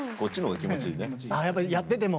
やってても。